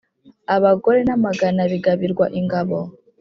abagore n’amagana bigabirwa ingabo